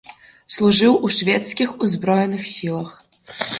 Служыў у шведскіх узброеных сілах.